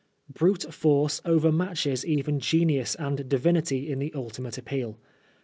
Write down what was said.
Brute force overmatches even genius and divinity in the ultimate appeal.